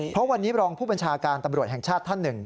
เพราะวันนี้รองผู้บัญชาการตำรวจแห่งชาติท่านหนึ่ง